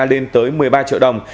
lên tới một mươi ba triệu đồng